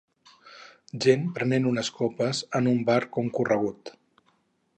Gent prenent unes copes en un bar concorregut.